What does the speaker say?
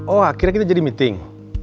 oh akhirnya kita jadi meeting